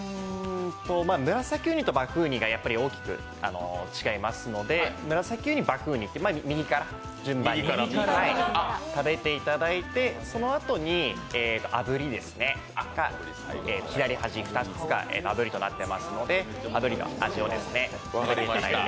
ムラサキうにとバフンうにが大きくいるのでムラサキうに、バウンと右から順番に食べていただいてそのあとにあぶりですね、左端があぶりとなってますので、あぶりの味を食べていただいて。